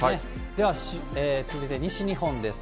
では続いて西日本です。